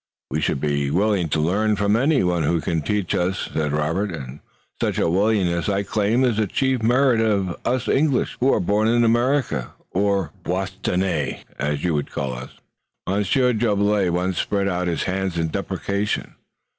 "We should be willing to learn from any who can teach us," said Robert, "and such a willingness I claim is a chief merit of us English who are born in America, or Bostonnais, as you would call us." Monsieur Jolivet once more spread out his hands in deprecation.